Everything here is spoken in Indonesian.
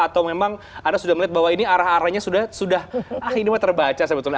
atau memang anda sudah melihat bahwa ini arah aranya sudah terbaca sebetulnya